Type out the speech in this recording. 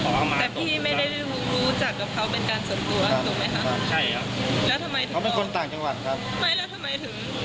ไม่ได้รู้จากเขาเป็นส่วนตัวมันเป็นคนต่างจังหวัดทำไมถึง